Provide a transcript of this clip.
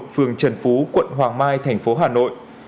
phường trần phú quận hoàng mai tp hà nội